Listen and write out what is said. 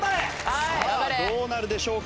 さあどうなるでしょうか？